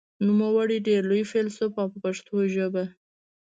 نوموړی ډېر لوی فیلسوف و په پښتو ژبه.